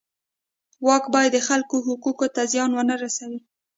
واک باید د خلکو حقونو ته زیان ونه رسوي.